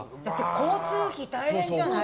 交通費、大変じゃない？